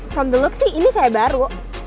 from the look sih ini kayak baru